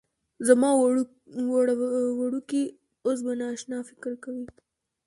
زما وړوکی اس به نا اشنا فکر کوي